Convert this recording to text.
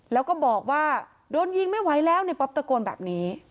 แล้วก็บอกว่าโดนยิงไม่ไหวแล้วในป๊อปตะโกนแบบนี้